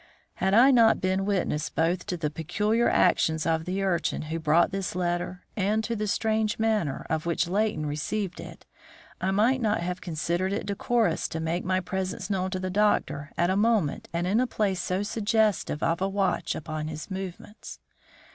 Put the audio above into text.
Had I not been witness both to the peculiar actions of the urchin who brought this letter, and to the strange manner in which Leighton received it, I might not have considered it decorous to make my presence known to the doctor at a moment and in a place so suggestive of a watch upon his movements.